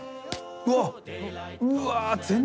うわっ！